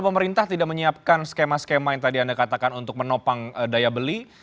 pemerintah tidak menyiapkan skema skema yang tadi anda katakan untuk menopang daya beli